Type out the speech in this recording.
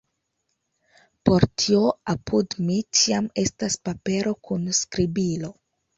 Por tio apud mi ĉiam estas papero kun skribilo.